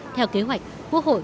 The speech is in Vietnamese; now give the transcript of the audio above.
theo kế hoạch quốc hội